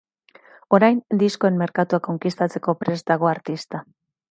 Orain, diskoen merkatua konkistatzeko rpest dago artista.